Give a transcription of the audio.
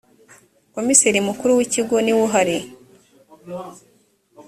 komiseri mukuru w ‘ikigo niwe uhari.